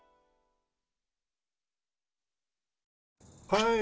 はい。